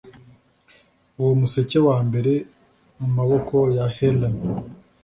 Uwo museke wambere mumaboko ya Helen